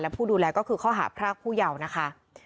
ผู้ดูแลก็คือข้อหาพรากผู้เยาว์นะคะ